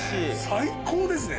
最高ですね。